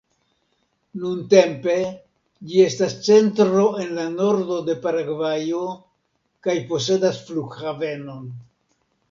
Nuntempe ĝi estas centro en la nordo de Paragvajo kaj posedas flughavenon.